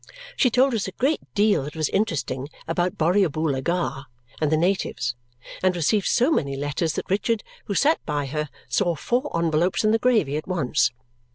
She told us a great deal that was interesting about Borrioboola Gha and the natives, and received so many letters that Richard, who sat by her, saw four envelopes in the gravy at once.